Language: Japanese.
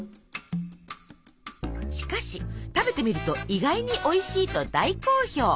しかし食べてみると意外においしいと大好評。